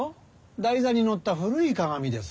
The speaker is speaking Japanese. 台座にのった古い「鏡」ですなあ。